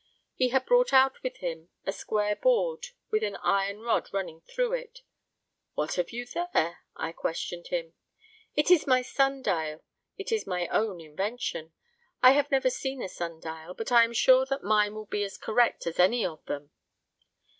He had brought out with him a square board with an iron rod running through it. "What have you there?" I questioned him. "It is my sun dial; it is my own invention. I have never seen a sun dial, but I am sure that mine will be as correct as any of them."